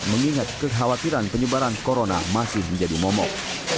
mengingat kekhawatiran penyebaran corona masih menjadi momok